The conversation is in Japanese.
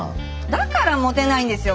だからモテないんですよ